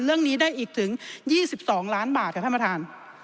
เรื่องนี้ได้อีกถึง๒๒ล้านบาทค่ะท่านประธาน